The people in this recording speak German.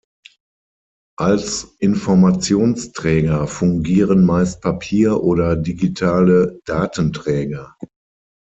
Als Informationsträger fungieren meist Papier oder digitale Datenträger.